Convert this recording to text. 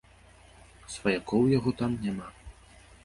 Сваякоў у яго там няма.